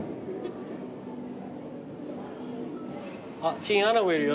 あっチンアナゴいるよ